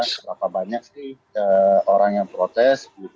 berapa banyak sih orang yang protes